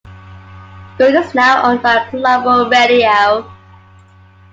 Gold is now owned by Global Radio.